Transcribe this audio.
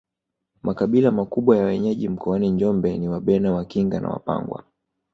Makabila makubwa ya wenyeji mkoani Njombe ni Wabena Wakinga na Wapangwa